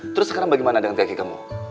terus sekarang bagaimana dengan kaki kamu